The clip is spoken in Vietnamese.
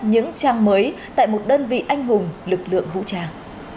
những trang mới tại một đơn vị anh hùng lực lượng vũ trang